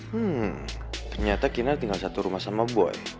hmm ternyata kina tinggal satu rumah sama boy